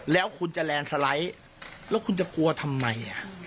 แล้วคุณจะกลัวทำไม